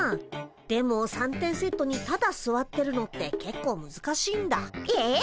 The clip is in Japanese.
でも三点セットにただすわってるのってけっこうむずかしいんだ。え？